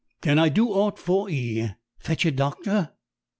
"Can I do aught for 'ee? Fetch a doctor?"